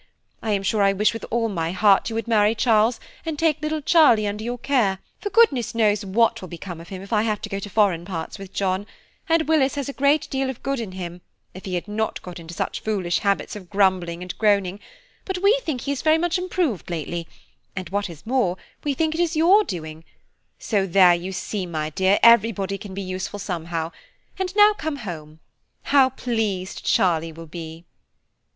I am sure I wish with all my heart you would marry Charles, and take little Charlie under your care, for goodness knows what will become of him if I have to go to foreign parts with John; and Willis has a great deal of good in him, if he had not got into such foolish habits of grumbling and groaning; but we think he is very much improved lately, and what is more, we think it is your doing–so there you see, my dear, everybody can be useful somehow, and now come home. How pleased Charlie will be!"